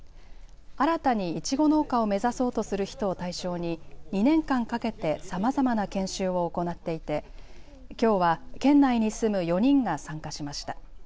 新たにいちご農家を目指そうとする人を対象に２年間かけてさまざまな研修を行っていてきょうは県内に住む４人が参加しました。